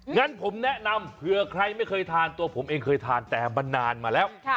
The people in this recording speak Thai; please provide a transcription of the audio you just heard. งั้นผมแนะนำเผื่อใครไม่เคยทานตัวผมเองเคยทานแต่มันนานมาแล้ว